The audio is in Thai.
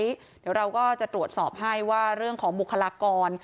เดี๋ยวเราก็จะตรวจสอบให้ว่าเรื่องของบุคลากร